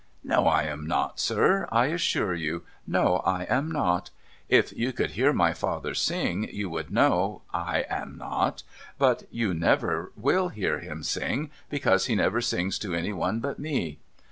' No, I am not, sir, I assure you. No, I am not. If you could hear my father sing, you w'ould know I am not. But you never will hear him sing, because he never sings to any one but me.